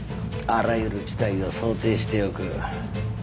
あらゆる事態を想定しておく。